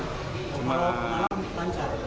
kalau malam lancar